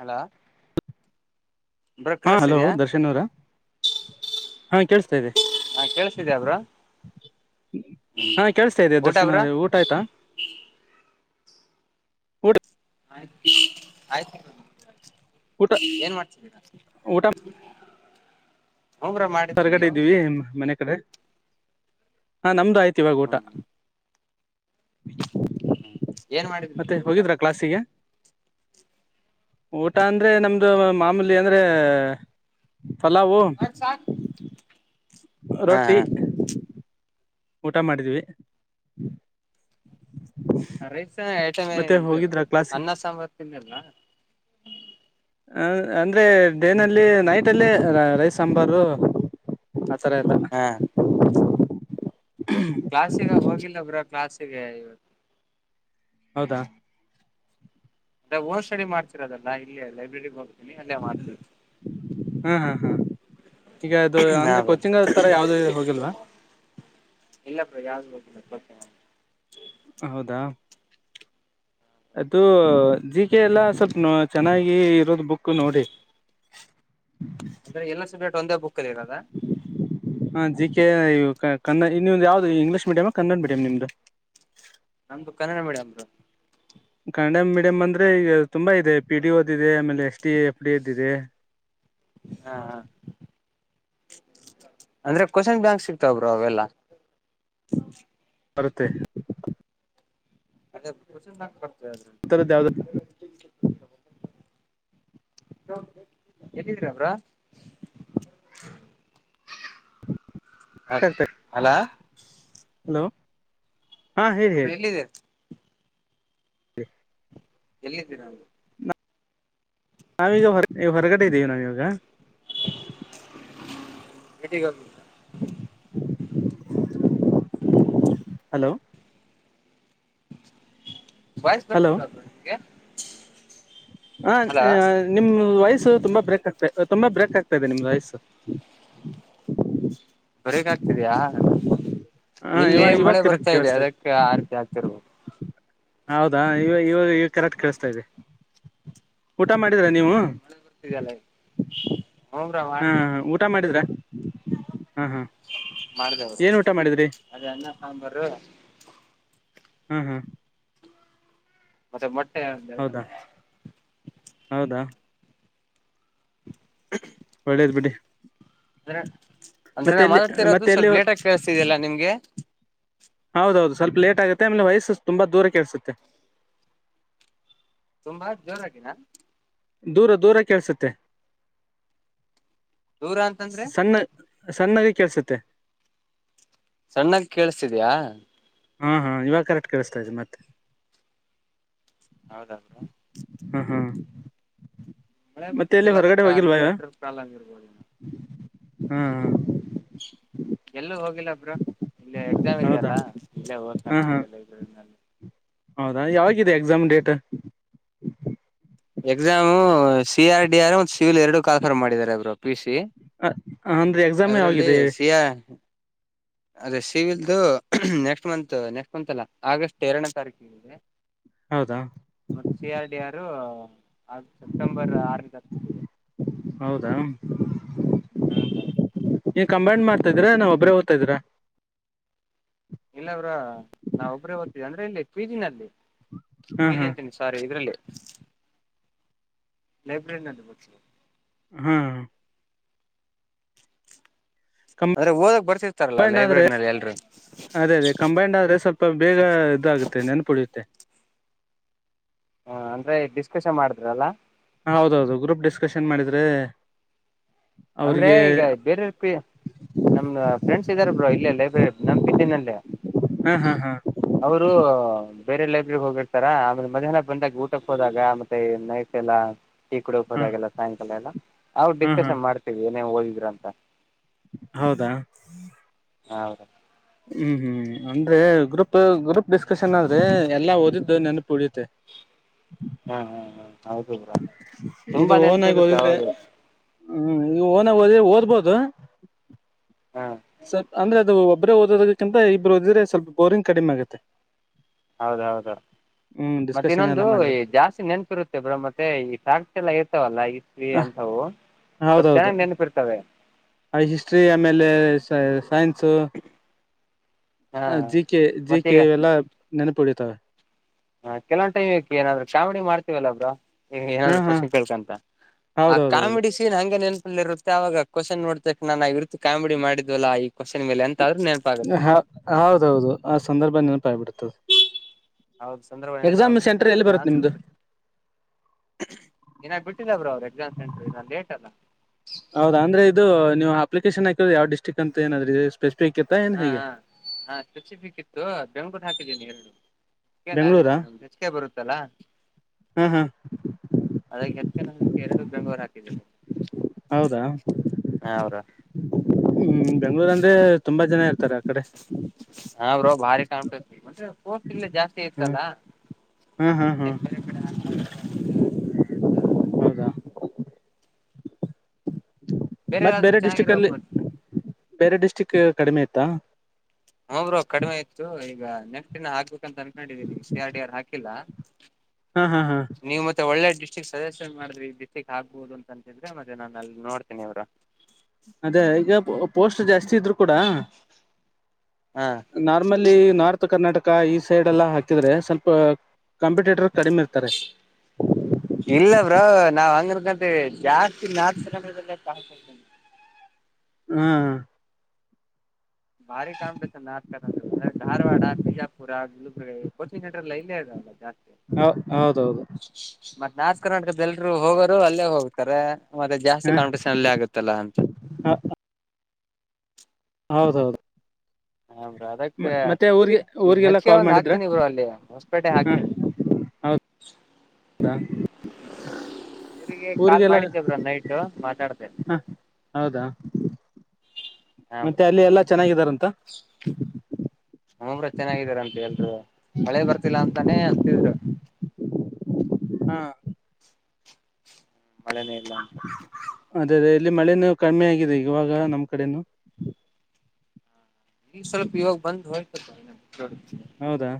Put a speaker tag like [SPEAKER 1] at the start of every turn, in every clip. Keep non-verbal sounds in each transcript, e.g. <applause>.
[SPEAKER 1] Hello.
[SPEAKER 2] ಹಾಂ hello Darshan ಅವ್ರ.
[SPEAKER 1] ಹಾಂ ಕೇಳ್ಸ್ತೀದ್ಯಾ ಬ್ರೊ.
[SPEAKER 2] ಹಾಂ ಕೇಳ್ಸ್ತಾಯಿದೆ
[SPEAKER 1] ಊಟ
[SPEAKER 2] ದರ್ಶನ್
[SPEAKER 1] ಬ್ರೋ
[SPEAKER 2] ಅವ್ರೆ ಊಟ ಆಯ್ತಾ. ಊಟ
[SPEAKER 1] ಆಯ್ತ್ ಆಯ್ತು ಬ್ರೊ ನಿಮ್ದು.
[SPEAKER 2] ಊಟ
[SPEAKER 1] ಏನ್ ಮಾಡ್ತಿದಿರಾ.
[SPEAKER 2] ಊಟ ಹೊರ್ಗಡೆ ಇದ್ದೀವಿ ಮನೆ ಕಡೆ ಹಾಂ ನಮ್ದು ಆಯ್ತು ಈವಾಗ್ ಊಟ.
[SPEAKER 1] ಹ್ಮ್ ಹಾಂ
[SPEAKER 2] ಮತ್ತೆ ಹೋಗಿದ್ರಾ ಕ್ಲಾಸಿಗೆ. ಊಟ ಅಂದ್ರೆ ನಮ್ದು ಮಾಮೂಲಿ ಅಂದ್ರೇ ಪಲಾವು
[SPEAKER 1] ಸಾರ್.
[SPEAKER 2] ರೊಟ್ಟಿ. ಊಟ ಮಾಡಿದ್ವಿ.
[SPEAKER 1] ರೈಸ್ ಐಟಮ್
[SPEAKER 2] ಮತ್ತೆ
[SPEAKER 1] ಇದ್
[SPEAKER 2] ಹೋಗಿದ್ರ ಕ್ಲಾಸಿಗೆ
[SPEAKER 1] ಅನ್ನ ಸಾಂಬಾರ್ ತಿನ್ನಲ್ವಾ.
[SPEAKER 2] ಹ ಅಂದ್ರೆ ಡೇನಲ್ಲಿ ನೈಟಿಲ್ಲಿ ರ ರೈಸ್ ಸಾಂಬಾರು ತರ ಇತ.
[SPEAKER 1] ಹಾ ಕ್ಲಾಸಿಗ ಹೋಗಿಲ್ಲ ಬ್ರೊ ಕ್ಲಾಸಿಗೆ ಇವತ್
[SPEAKER 2] ಹೌದಾ.
[SPEAKER 1] ನಾವ್ ಹೋಗ್ ಸ್ಟಡಿ ಮಾಡ್ತಿರದಲ್ಲ ಇಲ್ಲಿ ಲೈಬ್ರರಿಗ್ ಹೋಗ್ತಿನಿ ಅಲ್ಲೆ ಮಾಡ್ತೀನಿ.
[SPEAKER 2] ಹಾಂ ಹಾಂ ಹಾಂ ಈಗ ಅದು
[SPEAKER 1] ಹಾ
[SPEAKER 2] ಅಂದ್ರೆ
[SPEAKER 1] ಬ್ರೋ
[SPEAKER 2] ಕೋಚಿಂಗ ತರ ಯಾವ್ದು ಹೋಗಿಲ್ವಾ.
[SPEAKER 1] ಇಲ್ಲ ಬ್ರೊ ಯಾವ್ದು ಗೊತ್ತಿಲ್ಲ ಒಪ್ಕೋತಿನ್ ನಾನು.
[SPEAKER 2] ಹೌದಾ. ಅದೂ ಜಿ ಕೆ ಎಲ್ಲ ಸ್ವಲ್ಪ್ನ ಚೆನ್ನಾಗಿ ಇರೋದು ಬುಕ್ ನೋಡಿ.
[SPEAKER 1] ಅಂದ್ರೆ ಎಲ್ಲ ಸಬ್ಜೆಕ್ಟ್ ಒಂದೇ ಬುಕ್ ಅಲ್ಲಿರೋದ.
[SPEAKER 2] ಹಾಂ ಜಿ ಕೆ ಯುಕ್ ಕ ಕನ್ನ ಇನ್ನೊಂದ್ ಯಾವ್ದ್ ಇಂಗ್ಲೀಷ್ ಮೀಡಿಯಂ ಹಾಂ ಕನ್ನಡ ಮೀಡಿಯಂ ನಿಮ್ದು.
[SPEAKER 1] ನಮ್ದು Kannada medium bro.
[SPEAKER 2] Kannada medium ಅಂದ್ರೆ ಈಗ ತುಂಬಾ ಇದೆ ಪಿ ಡಿ ಓದ್ ಇದೆ ಆಮೇಲೆ ಎಸ್ ಡಿ ಎಫ್ ಡಿ ಎದ್ ಇದೆ.
[SPEAKER 1] ಹಾಂ ಹಾಂ ಅಂದ್ರೆ ಕ್ವೆಶನ್ ಬ್ಯಾಂಕ್ ಸಿಕ್ತವ್ ಬ್ರೊ ಅವೆಲ್ಲ.
[SPEAKER 2] ಬರುತ್ತೆ.
[SPEAKER 1] ಅದೆ ಕ್ವೆಶನ್ ಬ್ಯಾಂಕ್ ಬರ್ತದೆ ಅದ್ರಲ್ಲಿ.
[SPEAKER 2] ಇತ್ತರದ್ ಯಾವ್ದ್ ಐತಿ.
[SPEAKER 1] ಎಲ್ಲಿದಿರ ಬ್ರೊ. ಹ
[SPEAKER 2] ಆಗ್ತಾ
[SPEAKER 1] ಹಲಾ.
[SPEAKER 2] ಹಲೋ ಹಾಂ ಹೇಳಿ ಹೇಳ್
[SPEAKER 1] ಎಲ್ಲಿದಿರ್.
[SPEAKER 2] <unintelligible>
[SPEAKER 1] ಎಲ್ಲಿದಿರ.
[SPEAKER 2] ನಾವೀಗ ಹೊರ್ ಹೊರಗಡೆ ಇದ್ದೀವಿ ನಾವೀಗ.
[SPEAKER 1] ಎಲ್ಲಿಗ್ ಹೋಗಿ
[SPEAKER 2] ಹಲೋ.
[SPEAKER 1] ವಾಯ್ಸ್ ಬರ್ತಿಲ್ವ ಬ್ರೊ ನಿಮ್ಗೆ.
[SPEAKER 2] ಹಾ,
[SPEAKER 1] ಹಲೋ
[SPEAKER 2] ನಿಮ್ದ ವಾಯಸ್ಸು ತುಂಬಾ ಬ್ರೇಕ್ ಆಗ್ತಾ, ತುಂಬಾ ಬ್ರೇಕ್ ಆಗ್ತಾ ಇದೆ ನಿಮ್ದ ವಾಯಸ್ಸು.
[SPEAKER 1] ಬ್ರೇಕ್ ಆಗ್ತೀದಿಯಾ
[SPEAKER 2] ಹ
[SPEAKER 1] ಇಲ್ಲಿ
[SPEAKER 2] ಇವಾಗ ಇವಾಗ
[SPEAKER 1] ಮಳೆ
[SPEAKER 2] ಕರೆಕ್ಟ್
[SPEAKER 1] ಬರ್ತಾ ಇದೆ.
[SPEAKER 2] ಕೇಳಿಸ್ತಾ
[SPEAKER 1] ಅದಕ್ಕೆ ಆ ರೀತಿ ಆಗ್ತಿರ್ಬೋದು.
[SPEAKER 2] ಹೌದಾ!, ಇವ ಇವಾಗ ಈವ ಕರೇಕ್ಟ ಕೇಳಿಸ್ತಾ ಇದೆ. ಊಟ ಮಾಡಿದೀರಾ ನೀವು
[SPEAKER 1] ಅದೇ ಮಳೆ ಬರ್ತಿದೆಯಲ್ಲ ಹ್ಞೂ ಬ್ರೋ
[SPEAKER 2] ಹಾ,
[SPEAKER 1] ಮಾಡ್ದೆ
[SPEAKER 2] ಊಟ ಮಾಡಿದ್ರ- ಹಾ ಹಾ
[SPEAKER 1] ಮಾಡ್ದೇವು
[SPEAKER 2] ಏನ್ ಊಟ ಮಾಡಿದ್ರಿ
[SPEAKER 1] ಅದೇ ಅನ್ನ, ಸಾಂಬಾರ
[SPEAKER 2] ಹ್ಮ್, ಹ್ಮ್
[SPEAKER 1] ಮತ್ತೆ ಮೊಟ್ಟೆ
[SPEAKER 2] ಹೌದಾ
[SPEAKER 1] <unintelligible>
[SPEAKER 2] ಹೌದಾ,
[SPEAKER 1] <unintelligible>
[SPEAKER 2] ಒಳ್ಳೇದ್ ಬಿಡಿ
[SPEAKER 1] ಅಂದ್ರೆ, ಅಂದ್ರೆ
[SPEAKER 2] ಮತ್ತೆ
[SPEAKER 1] ನಾ
[SPEAKER 2] ಎಲ್ಲಿ
[SPEAKER 1] ಮಾತಾಡ್ತಿರೋದು
[SPEAKER 2] ಮತ್ತೆ ಎಲ್ಲಿ
[SPEAKER 1] ಸ್ವಲ್ಪ ಲೇಟ್ ಆಗಿ ಕೇಳಿಸ್ತಾಇದೆಯಲ್ಲ ನಿಮ್ಗೆ.
[SPEAKER 2] ಹೌದೌದು, ಸ್ವಲ್ಪ ಲೇಟ್ ಆಗೆಮೇಲೆ ವಾಯಸ್ಸು ತುಂಬಾ ದೂರ ಕೆೇಳಸುತ್ತೆ.
[SPEAKER 1] ತುಂಬಾ ಜೋರಾಗಿನ
[SPEAKER 2] ದೂರ -ದೂರ ಕೇಳಸುತ್ತೆ.
[SPEAKER 1] ದೂರ ಅಂತಂದ್ರೆ
[SPEAKER 2] ಸಣ್ಣ, ಸಣ್ಣಾಗಿ ಕೆಲ್ಸತ್ತೆ.
[SPEAKER 1] ಸಣ್ಣಾಗಿಕೇಳಿಸತಿದಯಾ
[SPEAKER 2] ಹ್ಮ್, ಹಾ ಇವಾಗ ಕರೆಕ್ಟ್ ಕಿಳಸ್ತಾದೆ ಮತ್ತೆ
[SPEAKER 1] ಹೌದಾದರು <inaudible>
[SPEAKER 2] ಹ್ಮ, ಹಾ
[SPEAKER 1] ಮಳೆ
[SPEAKER 2] ಮತ್ತೆ ಎಲ್ಲಿ
[SPEAKER 1] ಬರ್ತಿದೆಲ್ಲ ಅದಕ್ಕೆ ಕ ನೆಟ್ವರ್ಕ್ ಪ್ರಾಬ್ಲಮ್ <unintelligible> ಇರ್ಬಹದು ಇನ್ನು
[SPEAKER 2] ಹ್ಮ್, ಹ್ಮ್
[SPEAKER 1] ಎಲ್ಲೂ ಹೋಗಿಲ್ಲ ಬ್ರೋ. ಇಲ್ಲ ಎಕ್ಸಾಮ್
[SPEAKER 2] ಹೌದಾ
[SPEAKER 1] ಇದೆಯಲ್ಲ ಇಲ್ಲೇ
[SPEAKER 2] ಹಾ ಹಾ
[SPEAKER 1] ಓದಕ್ಕಂತಿದ್ದೆ ಲೈಬ್ರೂರಿನಲ್ಲಿ.
[SPEAKER 2] ಹೌದಾ, ಯವಗಿದೆ exam date
[SPEAKER 1] exam C, R, D, R ಮತ್ತು ಸಿವಿಲ್ ಎರಡು ಕಾಲಿಫರ್ ಮಾಡಿದ್ದಾರೆ ಬ್ರೋ ಪಿ, ಸಿ.
[SPEAKER 2] ಅಂದ್ರೆ ಎಕ್ಸಾಮ್
[SPEAKER 1] ಅದರಲ್ಲಿ
[SPEAKER 2] ಯವಾಗಿದೆ.
[SPEAKER 1] ಸಿ ಆರ್ ಅದೇ ಸಿವಿಲ್ದುು ನೆಕ್ಸ್ಟ್ ಮಂತ್, ನೆಕ್ಸ್ಟ್ ಮಂತಲ್ಲ ಆಗಸ್ಟ್ ಎರಡನೇ ತಾರೀಕಿದೆ.
[SPEAKER 2] ಹೌದಾ,
[SPEAKER 1] ಮತ್ತೆ C, R, D, R September ಆರನೇ ತಾರಕಲ್ಲದೆ.
[SPEAKER 2] ಹೌದಾ,
[SPEAKER 1] ಹ್ಮಞಂತ <inaudible>
[SPEAKER 2] ನೀಕಂಬೈಂಡ್ ಮಾಡ್ತಾ ಇದ್ರಾ ನಾ ಒಬ್ಬ್ರ ಓದ್ತಾ ಇದ್ರಾ,
[SPEAKER 1] ಇಲ್ಲಬ್ರೋನಾವ ಒಬ್ಬ್ರೇ ಓದ್ತಿದ್ದವಿ ಅಂದ್ರೆ ಇಲ್ಲಿ ಪೀಜಿನಲ್ಲಿ.
[SPEAKER 2] ಹಾ
[SPEAKER 1] ಪೀಜಿ
[SPEAKER 2] ಹಾ
[SPEAKER 1] ಅಂತವಿ ಸರಿ ಇದ್ರಲ್ಲಿ <unintelligible> ಲೈಬ್ರೇರಿನಲ್ಲಿ,
[SPEAKER 2] ಹ್ಮ್,
[SPEAKER 1] ಅಂದ್ರೆ ಓದಕ್ ಬರ್ತಿರ್ತಾರಲ್ಲಾ
[SPEAKER 2] ಕಂಬೈಂಡ್ ಆದ್ರೆ
[SPEAKER 1] ಲೈಬ್ರರಿನಲ್ಲಿ ಎಲ್ರೂ. -
[SPEAKER 2] ಅದೇ, ಅದೇ ಕಂಬೈಂಡ್ ಆದ್ರೆ ಸ್ವಲ್ಪ ಬೇಗ ಇದಾಗುತ್ತೆ ನೆನಪಿಡುತ್ತೆ.
[SPEAKER 1] ಹಾ, ಅಂದ್ರೆ ಡಿಸ್ಕಶನ್ ಮಾಡಿದ್ರಲ್ಲಾ
[SPEAKER 2] ಹಾ, ಹೌದೌದು ಗ್ರೂಪ್ ಡಿಸ್ಕಶನ್ ಮಾಡಿದ್ರೆ
[SPEAKER 1] ಅಂದ್ರೆ
[SPEAKER 2] ಅವ್ರಿಗೆ
[SPEAKER 1] ಈಗ ಬೇರೆವರ ನಮ್ ಫ್ರೆಂಡ್ಸ್ ಇದಾರೆ ಬ್ರೋ ಇಲ್ಲೇ ಲೈಬ್ರರಿ ನಂಪಿದ್ದೀನಲ್ಲೇ.
[SPEAKER 2] ಹಾ ಹಾ ಹಾ <unintelligible>
[SPEAKER 1] ಅವ್ರು ಬೇರೆ ಲೈಬ್ರಗ್ ಹೋಗಿರ್ತಾರ ಆಮೇಲೆ ಮಧ್ಯಾಹ್ನ ಬಂದಾಗ ಊಟಕ್ಕೆ ಹೋದಾಗ ಮತ್ತೆ ನೈಟ್. ಎಲ್ಲ <inaudible> ಈ -ಕುಡಕ್
[SPEAKER 2] ಹಾ
[SPEAKER 1] ಹದಾಗೆಲ್ಲ ಸಾಯಂಕಾಲ ಎಲ್ಲಾ ಅವ್ರು
[SPEAKER 2] ಹಾ ಹಾ
[SPEAKER 1] ಡಿಸ್ಕಶನ್ ಮಾಡ್ತೇವಿ ಏನೇ ಓದಿದ್ರ ಅಂತ.
[SPEAKER 2] ಹೌದಾ
[SPEAKER 1] ಹ್
[SPEAKER 2] ಹ್ಮ್- ಹ್ಮ್ ಅಂದ್ರೆ ಗ್ರೂಪ್ ಗ್ರೂಪ್ ಡಿಸ್ಕಷನ್ ಆದ್ರೆ ಎಲ್ಲಾ ಓದಿದ್ದು ನೆನಪು ಉಳಿಯುತ್ತೆ. ಹ್ಮ <inaudible>
[SPEAKER 1] ಹ್ಮ್- ಹ್ಮ್ -ಹ್ಮ್- ಹೌದು ಬ್ರ ತುಂಬಾ
[SPEAKER 2] ಇದು ಓನ್ ಆಗಿ
[SPEAKER 1] ನೆನಪಿರುತ್ತೆ.
[SPEAKER 2] ಓದಿದ್ರೆ
[SPEAKER 1] ಹೌದು
[SPEAKER 2] ಹ್ಮ್- ಈ- ಓನಾಗಿ ಓದ್ಬೋದ್ರೇ ಓದುಬಹುದು.
[SPEAKER 1] ಹಾ
[SPEAKER 2] ಸರ್ ಅಂದ್ರೆ ಅದು ಒಬ್ಬ್ರ ಓದೋದಕ್ಕಿಂತ ಇಬ್ಬರು ಓದ್ದೀದ್ರೇ ಸ್ವಲ್ಪ ಬೋರಿಂಗ್ ಕಡಿಮೆ ಆಗುತ್ತೆ.
[SPEAKER 1] ಹೌದೌದು
[SPEAKER 2] ಹ್ಮ್
[SPEAKER 1] ಮತ್ತೆ
[SPEAKER 2] ಡಿಸ್ಕಷನ್
[SPEAKER 1] ಇನ್ನೊಂದು
[SPEAKER 2] ಎಲ್ಲ ಮಾಡಿದ್ರೆ
[SPEAKER 1] ಜಾಸ್ತಿ ನೆನಪಿರುತ್ತೆ. <unintelligible> ಬ್ ಮತ್ತೆ ಈ ಸಾಕ್ತಿ ಎಲ್ಲ ಇರ್ತವಲ್ಲ ಈ ಸ್ತ್ರೀ
[SPEAKER 2] ಹ
[SPEAKER 1] ಅಂತವು ಸ್ವಲ್ಪ
[SPEAKER 2] ಹೌದೌದು
[SPEAKER 1] ಚೆನ್ನಾಗ್ ನೆನಪಿರ್ತವೆ.
[SPEAKER 2] ಹಿಸ್ಟ್ರಿ ನಮ್ಮಲ್ಲೇ ಸೈನ್ಸ್ ಸೊ
[SPEAKER 1] ಹಾ
[SPEAKER 2] ಜಿ ಕೆ ಜಿ
[SPEAKER 1] ಮತ್ತೀಗ
[SPEAKER 2] ಕೆ ಇವೆಲ್ಲ ನೆನಪು ಹೊಡಿತಾವೆ.
[SPEAKER 1] ಹ ಕೆಧಲವ್
[SPEAKER 2] ಹಾ ಹಾ
[SPEAKER 1] <inaudible> ಆ
[SPEAKER 2] ಹೌದೌದೌದು
[SPEAKER 1] -ಕಾಮಿಡಿ ಸೀನ್ ಹಂಗ ನೆನಪಲ್ಲಿ ಇರುತ್ತೆ ಆ ಅವಾಗ ಕ್ವಶ್ನ್ ನೋಡ್ತಕ್ ನಾನನ್ ಇರುತ್ತ ಕಾಮಿಡಿ ಮಾಡಿದ್ವಲ್ಲಾ ಈ ಕ್ವ್ <unintelligible> ಮೇಲೆ ಅ ಆದ್ರೂ ನೆನಪಾಗತ್ತ
[SPEAKER 2] ಹ
[SPEAKER 1] ಅದು
[SPEAKER 2] ಹೌದೌದು ಆ ಸಂದರ್ಭ ನೆನಪಾಗಿ ಬಿಡ್ತುತದೆ.
[SPEAKER 1] ಹೌದ ಸಂದರ್ಭ ನೆನಪಾಗಿ ಬಿಡುತ್ತೆ
[SPEAKER 2] ಸೆಂಟರ್ ಎಲ್ಲಿ
[SPEAKER 1] ಒಂದು
[SPEAKER 2] ಬರುತ್ತೆ
[SPEAKER 1] ಆನ್ಸರ್
[SPEAKER 2] ನಿಮ್ದು
[SPEAKER 1] ಕೊಡೆ. ಇನ್ನಾಗ ಬಿಟ್ಟಿದವ್ರ ಅವ್ರು ಎಕ್ಸಾಮ್ ಸೆಂಟ್ರ ಇನ್ನ ಲೇಟ್ ಅಲ್ಲ.
[SPEAKER 2] ಹೌದ ಅಂದ್ರೆ ಇದು ನೀವು ಅಪ್ಲಿಕೇಶನ್ ಹಾಕರದ ಯಾವ ಡಿಸ್ಟ್ರಿಕ್ ಅಂತ ಏನಾದ್ರು ಇ ಸ್ಪೆಸಿಕ್
[SPEAKER 1] ಹಾ ಹಾ ಹಾ ಸಚಿಫಿಕತ್ತು ಬೆಂಗ್ಕೂಟ್ಟ ಹಾಕಿದ್ದೀನಿ ಈಗ
[SPEAKER 2] ಬೆಂಗಳೂರಾ
[SPEAKER 1] ನಾನ್ಕಮ <unintelligible> ಹೆಚ್ಕ ಬರುತ್ತಲ್ಲ
[SPEAKER 2] ಹಾ ಹಾ
[SPEAKER 1] ಅದಾಗಿ <unintelligible> ಎಚ್ಚ ನು ಎರಡು <unintelligible> ಬೆಂಗಳೂರು ಹಾದ್ದೇನೆ
[SPEAKER 2] ಹೌದಾ
[SPEAKER 1] ಬ್ರೋ
[SPEAKER 2] ಹ್ಮ್- ಬೆಂಗಳೂರು ಅಂದ್ರೆ ತುಂಬಾ ಜನ ಇರ್ತಾರೆ ಆ ಕಡೆ.
[SPEAKER 1] ಹಾ ಬ್ರೂ ಭಾರಿ ಕಾಣ್ಪಡ್ತವಿ ಮೆ ಪೋರ್ಟ್ ಇಲ್ಲ ಜಾಸ್ತಿ ಇತ್ತಲ್ಲಾ.
[SPEAKER 2] ಹಾ ಹಾ ಹಾ
[SPEAKER 1] ಅಂತ ಹಾಕ್ಬಿಡೋಣ ಅಂತ
[SPEAKER 2] ಹೌದಾ ಮತ್ತ
[SPEAKER 1] ಯಾರಾದ್ರೂ
[SPEAKER 2] ಬೇರೆ ಡಿಸ್ಟ್ರಿಕ್
[SPEAKER 1] ಚೆನ್ನಾಗಿರೋ
[SPEAKER 2] ಅಲ್ಲಿ
[SPEAKER 1] ಹ್ಮ
[SPEAKER 2] ಬೇರೆ ಡಿಸ್ಟಿಕ್ ಕಡಿಮೆ ಇತ್ತಾ.
[SPEAKER 1] ಹೋಬ್ರರು ಕಡಿಮೆ ಇತ್ತು ಈಗ ನೆಫ್ಟಿನ ಹಾಕ್ಬೇಕಂತ ಅನ್ಕೊಂಡಿದೀನಿ ಸಿ ಆರ್ ಡಿ ಆರ್ ಹಾಕಿಲ್ಲಾ.
[SPEAKER 2] ಹಾ ಹಾ ಹಾ
[SPEAKER 1] ನೀವು ಮತ್ತೆ ಒಳ್ಳೆ ಡಿಸ್ಟಿಕ್ ಸಜೆಷನ್ ಮಾಡಿದ್ರಿ ಈಡಿಸ್ಟಿಕ್ ಆಗ್ಬಹುದು ಅಂತಿದೆ ಮತ್ತೆ ನಾನು ಅ ನೋಡ್ತೀನಿ ಬ್ರೋ
[SPEAKER 2] ಅದೇ ಈಗ ಪೋಸ್ಟ್ ಜಾಸ್ತಿ ಇದ್ರು ಕೂಡ,
[SPEAKER 1] ಹಾಂ
[SPEAKER 2] ನಾರ್ಮಲಿ ನಾರ್ತ್ ಕರ್ನಾಟಕ ಈ ಸೈಡ್ ಎಲ್ಲ ಹಾಕಿದ್ರೆ ಸ್ವಲ್ಪ ಕಂಪಿಟೇ, ಟ್ರ ಕಡಿಮೆ ಇರ್ತಾರೆ.
[SPEAKER 1] ಇಲ್ಲ ಬ್ರೋ ನಾವ್ ಹಂಗರ್ತಂತೆ ಜಾಸ್ತಿ ನಾ <unintelligible>
[SPEAKER 2] ಹ್ಮ್ -ಹ್ಮ್
[SPEAKER 1] ಭಾರಿ ಕಾಣ <unintelligible> ನಾಕ ಧಾರವಾಡ ಬಿಜಾಪುರ ಗಲುಬಗ <unintelligible> ಚಿ ನಟ್ರಲ್ಲ ಇಲ್ಲೇ ಇ ಇದಲ್ಲ ಜಾಸ್ತಿ
[SPEAKER 2] ಹೌದೌದು
[SPEAKER 1] ಮತ್ತ್ ನಾರ್ತ್ ಕರ್ನಾಟಕದ ಎಲ್ರು ಹೋಗೋರು ಅಲ್ಲೇ ಹೋಗ್ತಾರೆ. ಮತ್ತೆ ಜಾಸ್ತಿ ಕಾಂಮಿಟೇಷನ್ ಅಲ್ಲಿ ಆಗುತ್ತಲ್ಲಾ ಅಂತ.
[SPEAKER 2] ಹ <unintelligible> ಹೌದೌದು
[SPEAKER 1] ಹ ಬ್ರೋ
[SPEAKER 2] ಮ
[SPEAKER 1] ಅದಕ್ಕೆ
[SPEAKER 2] ಮತ್ತೆ ಊರ್ಗೆ
[SPEAKER 1] ಈಗ
[SPEAKER 2] ಊರ್ಗೆಲ್ಲ
[SPEAKER 1] ಹೆಚ್ಚಿಗೆ
[SPEAKER 2] ಕಾಲ್
[SPEAKER 1] ಒಂದ್
[SPEAKER 2] ಮಾಡಿದ್ರಾ
[SPEAKER 1] ಹಾಕ್ತೀನಿ ಬ್ರೋ ಅಲ್ಲಿ ಹೊಸಪೇಟೆ
[SPEAKER 2] ಹಾ.
[SPEAKER 1] ಹಾಕ್ತೀನಿ
[SPEAKER 2] ಹೌ ದಾ
[SPEAKER 1] ಊರಿಗೆ ಕಾಲ್ ಮಾಡಿದ್ದೆ ಬ್ರೋ ನೈಟು ಮಾತಾಡದೆ.
[SPEAKER 2] ಹ ಹೌದಾ
[SPEAKER 1] ಹಾ
[SPEAKER 2] ಮತ್ತೆ
[SPEAKER 1] ಬ್ರೋ
[SPEAKER 2] ಅಲ್ಲಿ ಎಲ್ಲಾ ಚೆನ್ನಾಗಿದಾರಂತ.
[SPEAKER 1] ಹ್ಮ ಬ್ರೋ ಚೆನ್ನಾಗಿದಾರಂತ ಎಲ್ರುವೆ ಮಳೆ ಬರ್ತಿಲ್ಲಾ ಅಂತಾನೇ ಅಂತಿದ್ರು.
[SPEAKER 2] ಹಾ
[SPEAKER 1] ಮಳೆನೇ ಇಲ್ಲ ಅಂತ.
[SPEAKER 2] ಅದೇ ಅದೆ ಇಲ್ಲಿ ಮಳಿನು ಕಮ್ಮಿ ಆಗಿದೆ ಇವಾಗ ನಮ್ ಕಡೆನು.
[SPEAKER 1] ಇಗ ಸ್ಪಲ್ಪ ಇವಾಗ ಬಂದ ಹೊಯ್ತಪ ಹಿನ <unintelligible>
[SPEAKER 2] ಹೌದಾ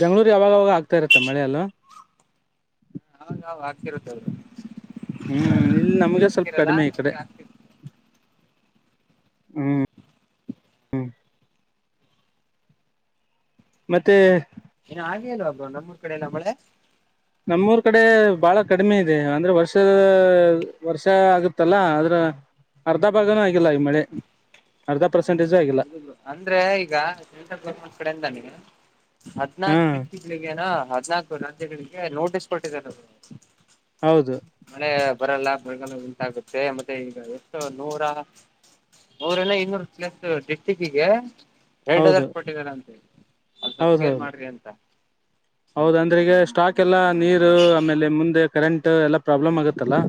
[SPEAKER 2] ಬೆಂಗಳೂರಿಗ ಅವಾಗವಾಗ ಆಗ್ತಾ ಇರತ್ತ ಮಳೆ ಅಲ್ಲೋ.
[SPEAKER 1] ಅವಾಗವಾಗ ಆಗ್ತಿರುತ್ತೆ ಬ್ರೋ.
[SPEAKER 2] ಹ್ಮ್ ಇಲ್ಲಿ ನಮ್ಗೆ ಸ್ವಲ್ಪ
[SPEAKER 1] ಸಿಕ್ಕಿರಲ್ಲ
[SPEAKER 2] ಕಡಿಮೆ ಈ ಕಡೆ
[SPEAKER 1] ಹಂಗೆ ಆಗ್ತಿದೆ
[SPEAKER 2] ಹ್ಮ್. ಮತ್ತೆ
[SPEAKER 1] ಏ ಆಗೆ ಇಲ್ಲ ಬ್ರೋ ನಮ್ಮ ಕಡೆ ಎಲ್ಲ ಮಳೆ.
[SPEAKER 2] ನಮ್ಮೂರ್ ಕಡೆ ಬಾಳ ಕಡಿಮೆ ಇದೆ ಅಂದ್ರೆ ವರ್ಷ ವರ್ಷ ಆಗುತ್ತಲ್ಲ ಆದ್ರ. ಅರ್ಧ ಭಾಗನೂ ಆಗಿಲ್ಲ ಈ ಮಳೆ. ಅರ್ಧ ಪರ್ಸಂಟೇಜು.
[SPEAKER 1] ಅಂದ್ರೆ ಈಗ ಸೆಂಟ್ರಲ್ ಗೌರ್ಮೆಂಟ್ ಕಡೆಯಿಂದ ನೀನು ಹದ್ನಾಕ
[SPEAKER 2] ಹಾ
[SPEAKER 1] <unintelligible> <unintelligible> ಹದ್ನಾಕು ರಾಜ್ಯಗಳಿಗೆ ನೋಟಿಸ್ ಕೊಟ್ಟಿದ್ದಾರೆ ಬ್ರೋ.
[SPEAKER 2] ಹೌದು
[SPEAKER 1] ಮಳೆ ಬರಲ್ಲ ಬರಗಾಲ ಉಂಟಾಗುತ್ತೆ ಮತ್ತೆ ಈಗ ಎಷ್ಟು ನೂರಾ. ನುರೇನು ಇನ್ನೂರು <unintelligible> ಡಿಸ್ಟಿಕೀಗೆ ರೆಡ್
[SPEAKER 2] ಹೌದು
[SPEAKER 1] ಅಲರ್ಟ್ ಕೊಟ್ಟಿದರಂತೆ ಅದ ಸ್ವಲ್ಪ ಕೇರ್
[SPEAKER 2] ಹೌದೌದು
[SPEAKER 1] ಮಾಡ್ರಿ ಅಂತ.
[SPEAKER 2] ಹೌದ ಅಂದ್ರ ಈಗ ಸ್ಟಾಕ್ ಎಲ್ಲಾ ನೀರು ಆಮೇಲೆ ಮುಂದೆ ಕರೆಂಟ್ ಎಲ್ಲಾ ಪ್ರಾಬ್ಲಮ್ ಆಗತ್ತಲ್ಲಾ.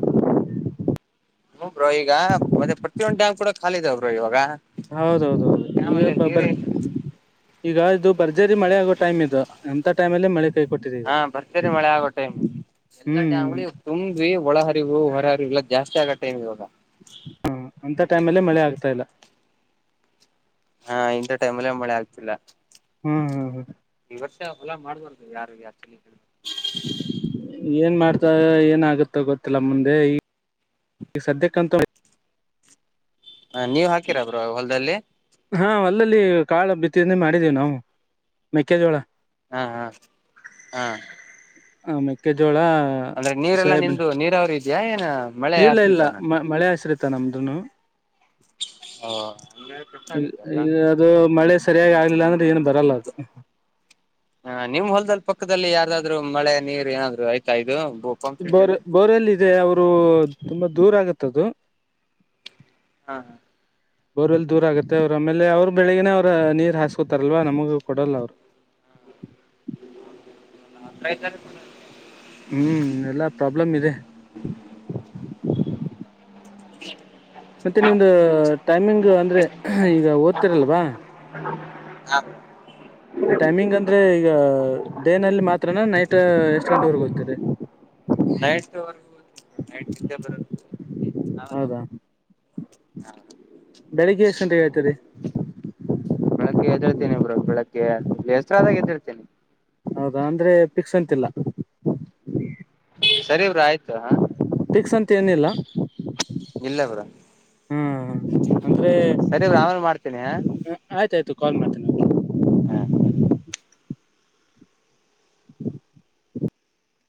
[SPEAKER 1] ಹ್ಮ್ಮ್ ಬ್ರೋ ಈಗ ಮತ್ತೆ ಪ್ರತಿಯೊಂದು ಡ್ಯಾಮ್ ಕೂಡ ಖಾಲಿ ಇದಾವ ಬ್ರೋ ಇವಾಗ.
[SPEAKER 2] ಹೌದೌದೌದು
[SPEAKER 1] ಡ್ಯಾಮ್
[SPEAKER 2] ಈಗ
[SPEAKER 1] ಅಲ್ಲಿ
[SPEAKER 2] <unintelligible>
[SPEAKER 1] ನೀರೇ
[SPEAKER 2] ಬರ್
[SPEAKER 1] ಇಲ್ಲ
[SPEAKER 2] ಈಗ ಇದು ಬರ್ಜರಿ ಮಳೆ ಆಗೋ ಟೈಮ್ ಇದು ಹಂತ ಟೈಮ ಅಲ್ಲೇ ಮಳೆ. ಕೈ ಕೊಟ್ಟಿದೆ ಈಗ
[SPEAKER 1] ಹಾ ಭರ್ಜರಿ ಮಳೆ ಆಗೋ ಟೈಮು ಎಲ್ಲಾ
[SPEAKER 2] ಹ್ಮ್
[SPEAKER 1] ಡ್ಯಾಮಗಳು. ತುಂಬಿ ಒಳಹರಿವು ಹೊರಹರಿವು ಎಲ್ಲ ಜಾಸ್ತಿ ಆಗ ಟೈಮ್ ಇವಾಗ.
[SPEAKER 2] ಹ ಹಂತ ಟೈಮಲ್ಲೇ
[SPEAKER 1] ಏನಿಲ್ಲ
[SPEAKER 2] ಮಳೆ ಆಗ್ತಾ ಇಲ್ಲ.
[SPEAKER 1] ಹಾ ಇಂಥ ಟೈಮಲ್ಲೇ ಮಳೆ ಆಗ್ತಿಲ್ಲ.
[SPEAKER 2] ಹ್ಮ್ ಹ್ಮ್ ಹೌದ.
[SPEAKER 1] ಈ ವರ್ಷ ಹೊಲ ಮಾಡ್ಬಾರ್ದು ಯಾರು <unintelligible> ಯ
[SPEAKER 2] ಏನ್ <unintelligible> ಮಾಡ್ತಾರ ಏನ ಆಗತ್ತ ಗೊತ್ತಿಲ್ಲ ಮುಂದೆ ಈ. ಈ ಸದ್ಯಕ್ಕಂತು <unintelligible>
[SPEAKER 1] ಹ ನೀವ್ ಹಾಕಿರ ಬ್ರೋ ಹೊಲ್ದಲ್ಲಿ.
[SPEAKER 2] ಹ ಹೊಲ್ದಲ್ಲಿ ಕಾಳು ಬಿತ್ತಿದನೆ ಮಾಡಿದ್ದೀವಿ ನಾವು ಮೆಕ್ಕೆಜೋಳ.
[SPEAKER 1] ಹಾ ಹಾ ಹಾ
[SPEAKER 2] ಹ ಮೆಕ್ಕೆಜೋಳ.
[SPEAKER 1] ಅಂದ್ರೆ ನೀರೆಲ್ಲಾ
[SPEAKER 2] ಸೋಯಬಿನ್
[SPEAKER 1] ನಿಮ್ದು ನೀರಾವರಿ ಇದೆಯಾ ಏನ ಮಳೆ
[SPEAKER 2] ಇಲ್ಲ ಇಲ್ಲ
[SPEAKER 1] ಆಶ್ರಿತಾನ
[SPEAKER 2] ಮಳೆ ಹಸಿರಿತ ನಮ್ದನು.
[SPEAKER 1] ಹ
[SPEAKER 2] ಈಗ ಈಗ ಅದು ಮಳೆ ಸರಿಯಾಗಿ ಆಗ್ಲಿಲ್ಲ ಅಂದ್ರೆ ಏನು ಬರಲ್ಲ ಅದು.
[SPEAKER 1] ಹ ನಿಮ್ ಹೊಲ್ದಲ್ಲಿ ಪಕ್ಕದಲ್ಲಿ ಯಾರ್ದಾದ್ರು ಮಳೆ ನೀರ ಏನಾದ್ರು ಆಯ್ತಾ ಇದು ಪಂಪ್ ಸೆಟ್
[SPEAKER 2] ಬೋರ್
[SPEAKER 1] ಎಲ್ಲ
[SPEAKER 2] ಬೋರ್ಲ್ಲಿ ಇದೆ ಅವರು ತುಂಬಾ ದೂರ ಆಗತ್ತದು.
[SPEAKER 1] ಹಾ,
[SPEAKER 2] ಬೋರ್ವೆಲ್ ದೂರ ಆಗತ್ತೆ. ಅವ್ರ ಆಮೇಲೆ ಅವರು ಬೆಳಗ್ಗೇನೆ ಅವ್ರ ನೀರ್ ಹಾಸ್ಕೊತಲ್ವ ನಮಗ ಕೊಡಲ್ಲ ಅವರು.
[SPEAKER 1] ತ <inaudible>
[SPEAKER 2] ಹ್ಮ್, ಎಲ್ಲಾ ಪ್ರಾಬ್ಲಮ್ ಇದೆ. ಮತ್ತೆ ನಿಮ್ದ ಟೈಮಿಂಗ್ ಅಂದ್ರೆ ಈಗ ಓದ್ತಿರಲ್ವಾ
[SPEAKER 1] ಹ <inaudible>
[SPEAKER 2] ಟೈಮಿಂಗ್ ಅಂದ್ರೆ ಈಗ ಡೇನಲ್ಲಿ ಮಾತ್ರನಾ, ನೈಟ್ ಎಷ್ಟ್ ಗಂಟೆವರೆಗ ಓದ್ತೀರಿ
[SPEAKER 1] ನೈಟ್ರೆಗ ನೈಟ್ <unintelligible> ಬ ಆಮೇ ಹೋಗ
[SPEAKER 2] ಹೌದಾ
[SPEAKER 1] ಹಾ <inaudible>
[SPEAKER 2] ಬೆಳಗ್ಗೆ ಎಷ್ಟ ಗಂಟೆಗೆ ಎಳ್ತೀರೀ,
[SPEAKER 1] ಬೆಳಗ್ಗೆ ಎದಿಳ್ತೀನಿ ಬ್ರೋ ಬೆಳಗ್ಗೆ ಎಚ್ಚರಾದಾಗ ಎದಿಳ್ತೀನಿ.
[SPEAKER 2] ಹೌದಾ, ಅಂದ್ರೆ ಪಿಕ್ಸ್ ಅಂತಿಲ್ಲ.
[SPEAKER 1] ಸರಿ ಬ್ರೋಆಯ್ತು.
[SPEAKER 2] ಪಿಕ್ಸ್ ಅಂತ ಏನಿಲ್ಲ.
[SPEAKER 1] ಇಲ್ಲ ಬ್ರೋ
[SPEAKER 2] ಹ್ಮ ಅಂದ್ರೆ
[SPEAKER 1] ಸರಿ ಆಮೇಲೆ ಮಾಡ್ತೀನಿ.
[SPEAKER 2] ಆಯ್ತಾಯ್ತು ಕಾಲ್ ಮಾಡ್ತೇನೆ
[SPEAKER 1] ಹಾ, ಸರಿ
[SPEAKER 2] ಹ <inaudible>